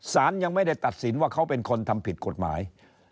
สารยังไม่ได้ตัดสินว่าเขาเป็นคนทำผิดกฎหมาย